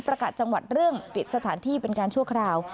จังหวัดเรื่องปิดสถานที่เป็นการชั่วคราว